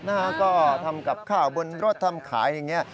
นะฮะก็ทำกับข้าวบนรถทำขายอย่างนี้